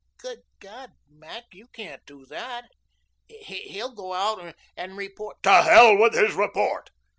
"Good God, Mac, you can't do that. He'll go out and report " "To hell with his report.